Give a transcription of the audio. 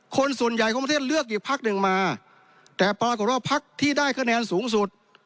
คนส่วนใหญ่ของประเทศเลือกอีกพักหนึ่งมาแต่ปรากฏว่าพักที่ได้คะแนนสูงสุด